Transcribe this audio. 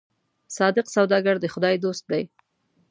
صادق سوداګر د خدای دوست دی.